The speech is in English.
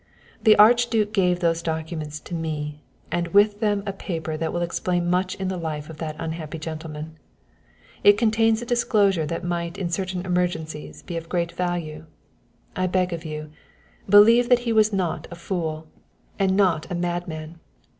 The Archduke gave those documents to me, and with them a paper that will explain much in the life of that unhappy gentleman. It contains a disclosure that might in certain emergencies be of very great value. I beg of you, believe that he was not a fool, and not a madman.